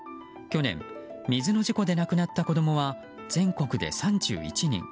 去年、水の事故で亡くなった子供は全国で３１人。